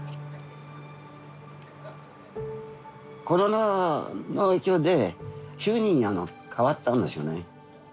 コロナの影響で急に変わったんですよね。